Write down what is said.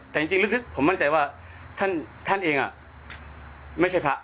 แต่จริงลึกผมมั่นใจว่าท่านเองไม่ใช่พระ